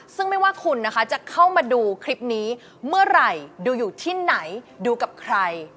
ซึ่งไม่ว่าคุณนะคะจะเข้ามาดูคลิปนี้เมื่อไหร่ดูอยู่ที่ไหนดูกับใคร